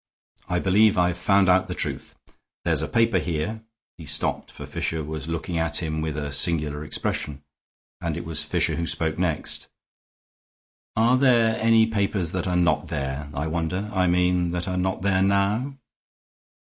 I believe I've found out the truth. There's a paper here " He stopped, for Fisher was looking at him with a singular expression; and it was Fisher who spoke next: "Are there any papers that are not there, I wonder? I mean that are not there now?"